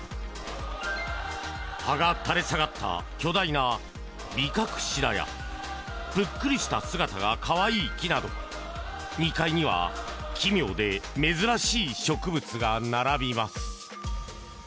葉が垂れ下がった巨大なビカクシダやぷっくりした姿が可愛い木など２階には奇妙で珍しい植物が並びます。